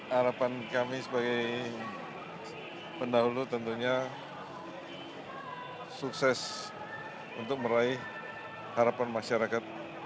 harapan kami sebagai pendahulu tentunya sukses untuk meraih harapan masyarakat